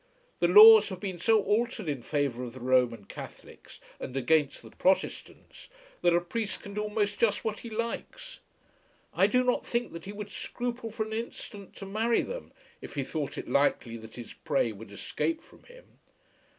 The laws have been so altered in favour of the Roman Catholics, and against the Protestants, that a priest can do almost just what he likes. I do not think that he would scruple for an instant to marry them if he thought it likely that his prey would escape from him.